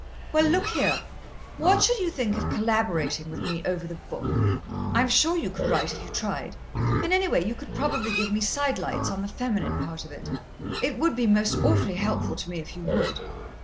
"Well, look here: what should you think of collaborating with me over the book? I'm sure you could write if you tried, and anyway, you could probably give me sidelights on the feminine part of it. It would be most awfully helpful to me if you would."